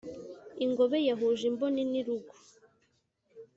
ingobe yahuje imboni n’irugu.